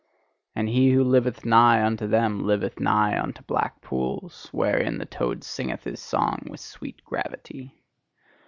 And he who liveth nigh unto them liveth nigh unto black pools, wherein the toad singeth his song with sweet gravity.